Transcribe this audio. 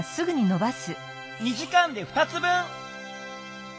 ２時間で２つ分！